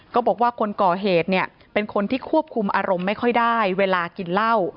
ก็บอกว่าคนก่อเหตุเนี่ยเป็นคนที่ควบคุมอารมณ์ไม่ค่อยได้เวลากินเหล้า